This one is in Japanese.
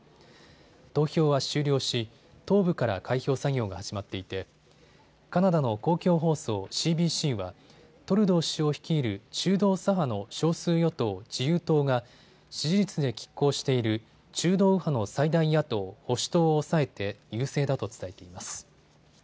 投票は終了し、東部から開票作業が始まっていてカナダの公共放送、ＣＢＣはトルドー首相率いる中道左派の少数与党、自由党が支持率できっ抗している中道右派の最大野党保守党を抑えて優勢だと伝えています。